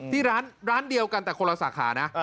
ที่ร้านเดียวกันแต่คนละสาขานะ